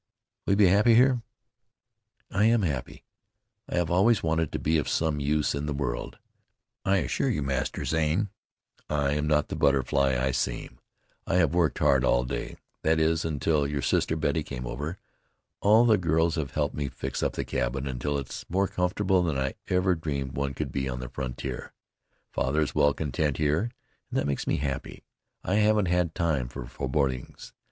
"Will you be happy here?" "I am happy. I have always wanted to be of some use in the world. I assure you, Master Zane, I am not the butterfly I seem. I have worked hard all day, that is, until your sister Betty came over. All the girls have helped me fix up the cabin until it's more comfortable than I ever dreamed one could be on the frontier. Father is well content here, and that makes me happy. I haven't had time for forebodings.